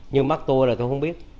như mắt tôi là tôi không biết